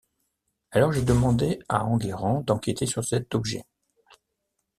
Alors j’ai demandé à Enguerrand d’enquêter sur cet objet.